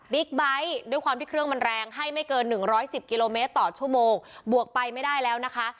ไบท์ด้วยความที่เครื่องมันแรงให้ไม่เกินหนึ่งร้อยสิบกิโลเมตรต่อชั่วโมงบวกไปไม่ได้แล้วนะคะ